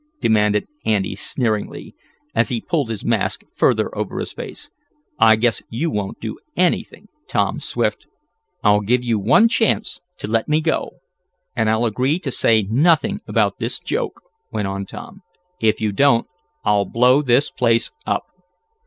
demanded Andy sneeringly, as he pulled his mask further over his face. "I guess you won't do anything, Tom Swift." "I'll give you one chance to let me go, and I'll agree to say nothing about this joke," went on Tom. "If you don't I'll blow this place up!"